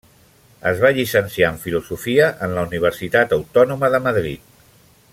Es va llicenciar en Filosofia en la Universitat Autònoma de Madrid.